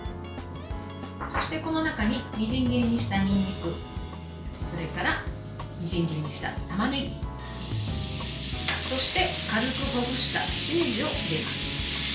そして、この中にみじん切りにした、にんにくそれからみじん切りにした、たまねぎそして軽くほぐしたしめじを入れます。